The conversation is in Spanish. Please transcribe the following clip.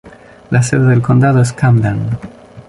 La sede del condado es Camden.